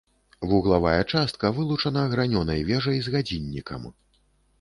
Вуглавая частка вылучана гранёнай вежай з гадзіннікам.